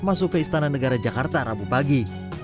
masuk ke istana negara jakarta rabu pagi